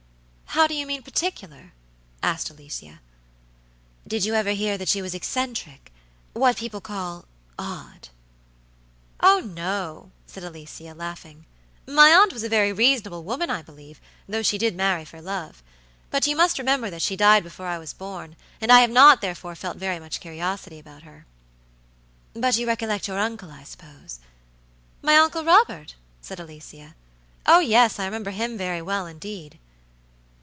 "How do you mean 'particular?'" asked Alicia. "Did you ever hear that she was eccentricwhat people call 'odd?'" "Oh, no," said Alicia, laughing. "My aunt was a very reasonable woman, I believe, though she did marry for love. But you must remember that she died before I was born, and I have not, therefore, felt very much curiosity about her." "But you recollect your uncle, I suppose." "My Uncle Robert?" said Alicia. "Oh, yes, I remember him very well, indeed."